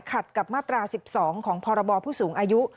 ขัดกับมาตรา๑๒ของพรบผู้สูงอายุ